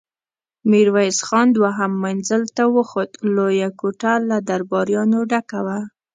ميرويس خان دوهم منزل ته وخوت، لويه کوټه له درباريانو ډکه وه.